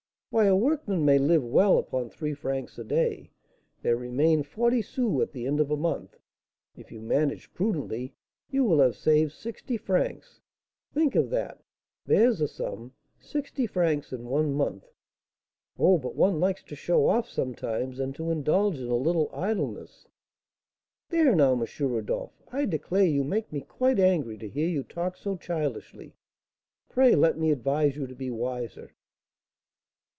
"Why, a workman may live well upon three francs a day; there remain forty sous; at the end of a month, if you manage prudently, you will have saved sixty francs. Think of that! There's a sum! sixty francs in one month!" "Oh, but one likes to show off sometimes, and to indulge in a little idleness." "There now, M. Rodolph, I declare you make me quite angry to hear you talk so childishly! Pray let me advise you to be wiser."